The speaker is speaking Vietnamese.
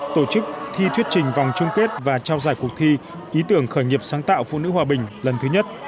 tổ chức thi thuyết trình vòng chung kết và trao giải cuộc thi ý tưởng khởi nghiệp sáng tạo phụ nữ hòa bình lần thứ nhất